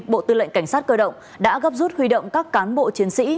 bộ tư lệnh cảnh sát cơ động đã gấp rút huy động các cán bộ chiến sĩ